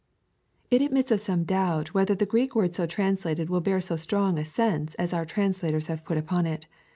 ] It admits of some doubt whether the Greek word so translated will bear so strong a sense as oup translators have put upon it.